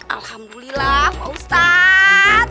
alhamdulillah pak ustadz